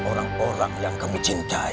orang orang yang kami cintai